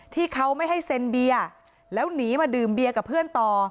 ที่เขาไม่ให้เซ็นเบียร์แล้วหนีมาดื่มเบียร์กับเพื่อนต่อ